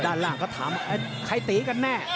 ด้านล่างก็ถามใครตีกันแน่